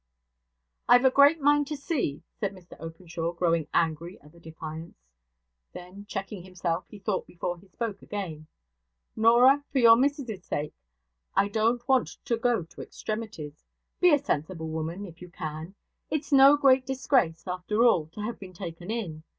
'I've a great mind to see,' said Mr Openshaw, growing angry at the defiance. Then, checking himself, he thought before he spoke again: 'Norah, for your missus' sake I don't want to go to extremities. Be a sensible woman, if you can. It's no great disgrace, after all, to have been taken in.